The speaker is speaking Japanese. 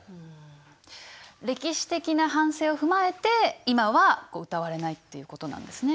歴史的な反省を踏まえて今は歌われないっていうことなんですね。